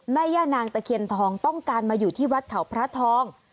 แม่ย่านางตะเคียนทองต้องการมาอยู่ที่วัดเขาพระทอง